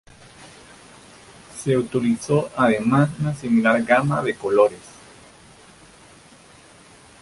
Se utilizó además una similar gama de colores.